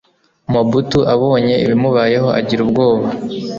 Mobutu abonye ibimubayeho agira ubwoba